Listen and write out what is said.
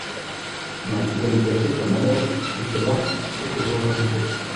Mais on pouvait lui cacher ce malheur, et c'est là ce que je redoutais.